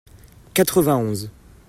quatre-vingt onze.